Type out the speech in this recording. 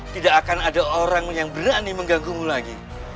tidak akan ada orang yang berani mengganggumu lagi